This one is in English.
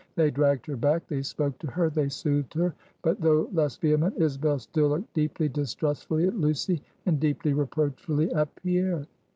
They dragged her back; they spoke to her; they soothed her; but though less vehement, Isabel still looked deeply distrustfully at Lucy, and deeply reproachfully at Pierre.